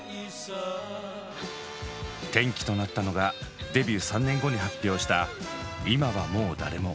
転機となったのがデビュー３年後に発表した「今はもうだれも」。